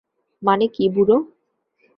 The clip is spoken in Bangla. মানে কী, বুড়ো?